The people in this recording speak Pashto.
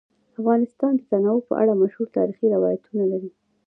افغانستان د تنوع په اړه مشهور تاریخی روایتونه لري.